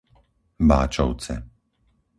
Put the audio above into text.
Báčovce